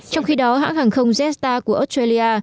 trong khi đó hãng hàng không zesta của australia